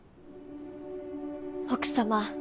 奥様